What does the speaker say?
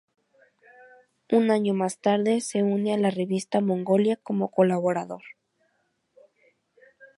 Un año más tarde se une a la revista Mongolia como colaborador.